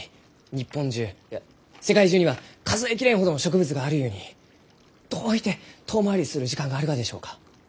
日本中いや世界中には数え切れんほどの植物があるゆうにどういて遠回りする時間があるがでしょうか？